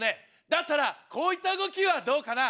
だったらこういった動きはどうかな？